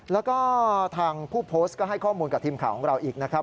แล้วก็ทางผู้โพสต์ก็ให้ข้อมูลกับทีมข่าวของเราอีกนะครับ